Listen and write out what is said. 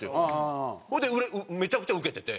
それでめちゃくちゃウケてて。